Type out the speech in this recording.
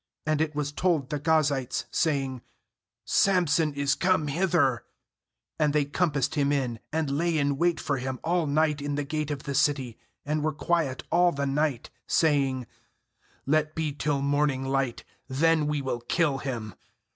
2[And it was told] the Ga zites, saying ' Samson is come hither/ And they compassed him in, and lay in wait for him all night in the gate of the city, and were quiet all the night, saying: 'Let be till morning light, then we will kill him.'